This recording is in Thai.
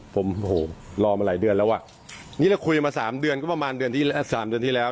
ผมโหรอมาหลายเดือนแล้วอ่ะนี่แล้วคุยมา๓เดือนก็ประมาณเดือนที่แล้ว